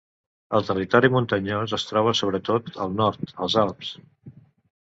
El territori muntanyós es troba sobretot al nord, als Alps.